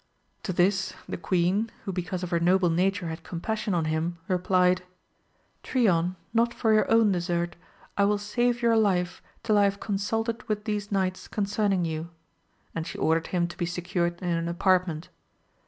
To this the queen who because of her noble nature had com passion on him, replied, Trion, not for your own desert, I will save your life till I have consulted with these knights concerning you, and she ordered him to be secured in an apartment.